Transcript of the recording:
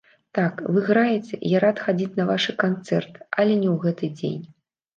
Так, вы граеце, я рад хадзіць на вашы канцэрты, але не ў гэты дзень.